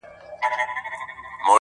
نور به د پېغلوټو د لونګ خبري نه کوو٫